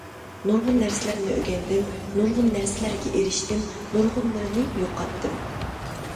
نۇرغۇن نەرسىلەرنى ئۆگەندىم، نۇرغۇن نەرسىلەرگە ئېرىشتىم، نۇرغۇنلىرىنى يۇقاتتىم.